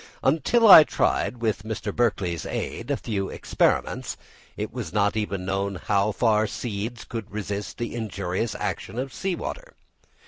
Until I tried, with Mr. Berkeley's aid, a few experiments, it was not even known how far seeds could resist the injurious action of sea water.